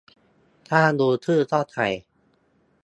ถ้ารู้ชื่อก็ใส่